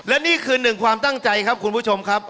และนี่คือหนึ่งความตั้งใจครับคุณผู้ชมครับ